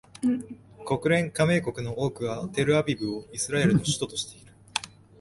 国連加盟国の多くはテルアビブをイスラエルの首都としている